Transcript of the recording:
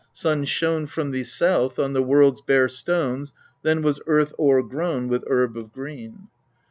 Sun shone from the south, on the world's bare stones then was Earth o'crgrown with herb of green.